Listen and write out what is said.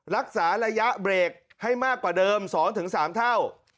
รักษาระยะเบรกให้มากกว่าเดิม๒๓เท่า